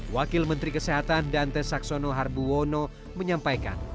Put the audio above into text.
wakil menteri kesehatan dante saxono harbuwono menyampaikan